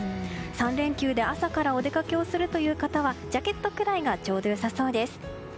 ３連休で朝からお出かけするという方はジャケットくらいがちょうど良さそうです。